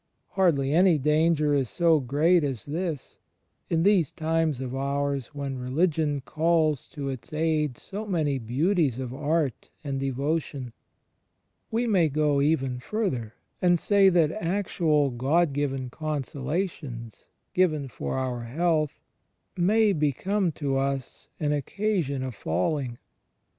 Hardly any danger is so great as this, in these times of ours when religion calls to its aid so many beauties of art and devotion. We may go even further, and say that actual God given consolations, given "for our health," may "become to us an occasion of falling."